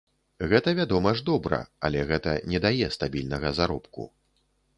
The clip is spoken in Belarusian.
Гэта, вядома ж, добра, але гэта не дае стабільнага заробку.